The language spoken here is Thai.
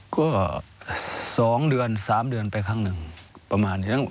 ก็๒เดือน๓เดือนไปครั้งหนึ่งประมาณนี้